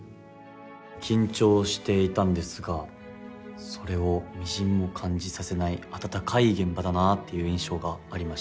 緊張していたんですがそれをみじんも感じさせない温かい現場だなっていう印象がありました。